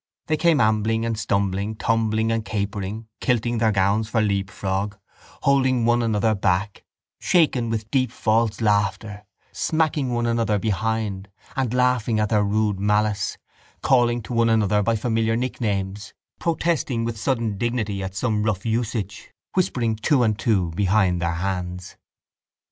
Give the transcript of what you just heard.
They came ambling and stumbling, tumbling and capering, kilting their gowns for leap frog, holding one another back, shaken with deep false laughter, smacking one another behind and laughing at their rude malice, calling to one another by familiar nicknames, protesting with sudden dignity at some rough usage, whispering two and two behind their hands.